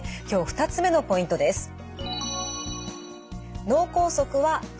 今日２つ目のポイントです。